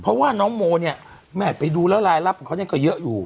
เพราะว่าน้องโมเนี่ยแม่ไปดูแล้วรายลับของเขาเนี่ยก็เยอะอยู่